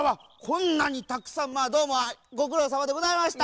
こんなにたくさんどうもごくろうさまでございました。